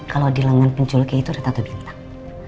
kalau di langgan penculuknya itu ada tato bintang